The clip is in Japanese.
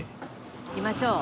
行きましょう。